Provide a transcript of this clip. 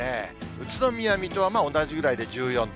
宇都宮、水戸はまあ、同じぐらいで１４度。